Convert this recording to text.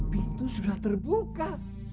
pintu sudah terbuka